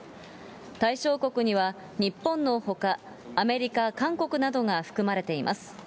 対象国には日本のほか、アメリカ、韓国などが含まれています。